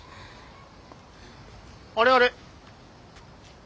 あれあれ？